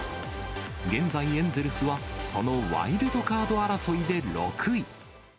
現在、エンゼルスはそのワイルドカード争いで６位。